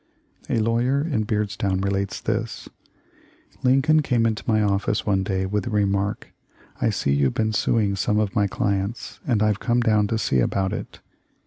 A lawyer in Beardstown relates this :* "Lincoln came into my office one day with the remark: 'I see you've been suing some of my clients, and I've come down to see about it.'